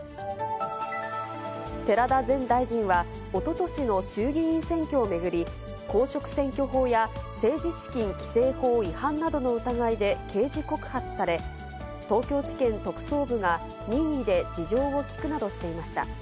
寺田前大臣は、おととしの衆議院選挙を巡り、公職選挙法や政治資金規正法違反などの疑いで刑事告発され、東京地検特捜部が任意で事情を聴くなどしていました。